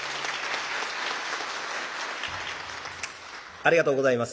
ありがとうございます。